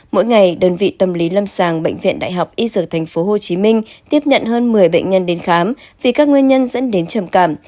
mỗi ngày đơn vị tâm lý lâm sàng bệnh viện đại học y dược tp hcm tiếp nhận hơn một mươi bệnh nhân đến khám vì các nguyên nhân dẫn đến trầm cảm